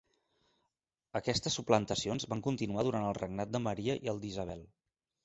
Aquestes suplantacions van continuar durant el regnat de Maria i el d'Isabel.